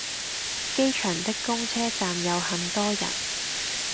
機場的公車站有很多人